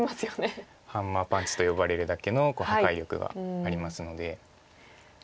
ハンマーパンチと呼ばれるだけの破壊力がありますので。